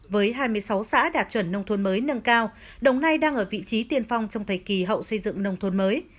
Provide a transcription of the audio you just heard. với hai mươi sáu xã đạt chuẩn nông thôn mới nâng cao đồng nai đang ở vị trí tiên phong trong thời kỳ hậu xây dựng nông thôn mới